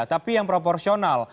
tapi yang proporsional